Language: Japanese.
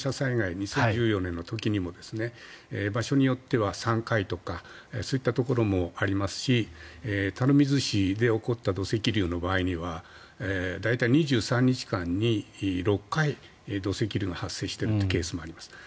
２０１４年の時にも場所によっては３回とかそういったところもありますし垂水市で起こった土石流の場合には大体２３日間に６回土石流が発生しているというケースもあります。